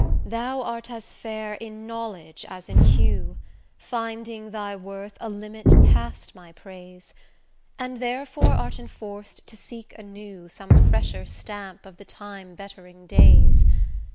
Thou art as fair in knowledge as in hue, Finding thy worth a limit past my praise; And therefore art enforced to seek anew Some fresher stamp of the time bettering days.